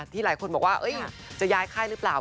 หลายคนบอกว่าจะย้ายไข้หรือเปล่า